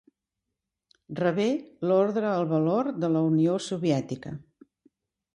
Rebé l'Orde al Valor de la Unió Soviètica.